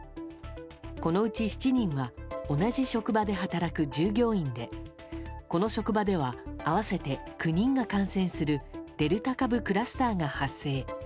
このうち７人は同じ職場で働く従業員でこの職場では合わせて９人が感染するデルタ株クラスターが発生。